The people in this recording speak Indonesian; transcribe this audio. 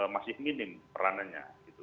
masih minim peranannya